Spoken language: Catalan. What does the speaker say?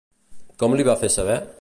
Com li va fer saber?